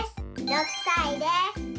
６さいです。